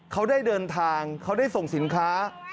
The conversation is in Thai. เขาได้เดินทางเขาได้ส่งสินค้า